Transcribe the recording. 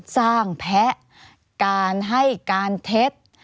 สร้างแพ้การให้การเท็จ